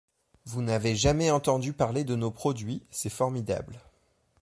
Vous n’avez jamais entendu parler de nos produits, c’est formidable.